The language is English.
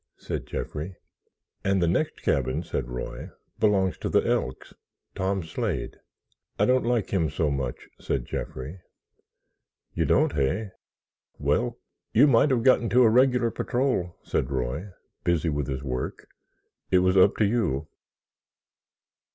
said Jeffrey. "And the next cabin," said Roy, "belongs to the Elks—Tom Slade." "I don't like him so much," said Jeffrey. "You don't, hey? Well, you might have got into a regular patrol," said Roy, busy with his work. "It was up to you."